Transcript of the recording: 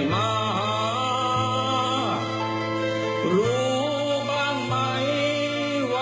ศิลปินทฤษฎี